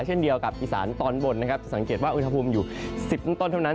เช่นเดียวกับอิสานตอนบนสังเกตว่าอืนทบุมอยู่๑๐ต้นทำนาน